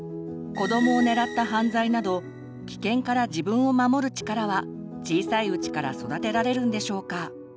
子どもを狙った犯罪など危険から自分を守る力は小さいうちから育てられるんでしょうか？